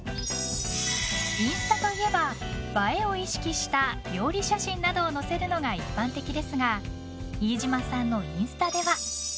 インスタといえば映えを意識した料理写真などを載せるのが一般的ですが飯島さんのインスタでは。